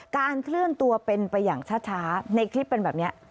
เคลื่อนตัวเป็นไปอย่างช้าในคลิปเป็นแบบนี้